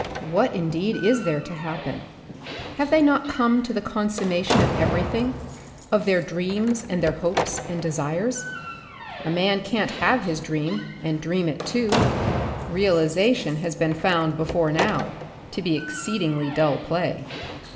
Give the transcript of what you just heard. What in deed, is there to happen ? Have they not come to the consummation of every thing, of their dreams and their hopes and desires? A man can't have his dream and dream it too. Realization has been found before now, to be exceedingly dull play.